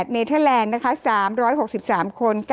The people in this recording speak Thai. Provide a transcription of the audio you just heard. เนเทอร์แลนด์๓๖๓คน